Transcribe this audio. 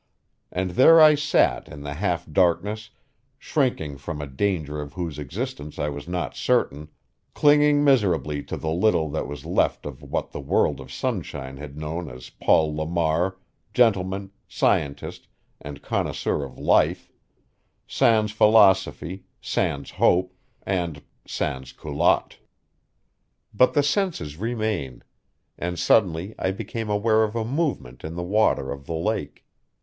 And there I sat in the half darkness, shrinking from a danger of whose existence I was not certain, clinging miserably to the little that was left of what the world of sunshine had known as Paul Lamar, gentleman, scientist, and connoisseur of life; sans philosophy, sans hope, and sans culotte. But the senses remain; and suddenly I became aware of a movement in the water of the lake.